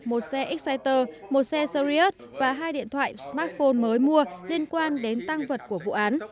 một xe exciter một xe seriot và hai điện thoại smartphone mới mua liên quan đến tăng vật của vụ án